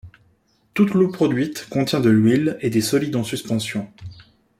Toute l'eau produite contient de l'huile et des solides en suspension.